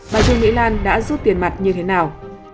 bà trương mỹ lan đã rút tiền mặt như thế nào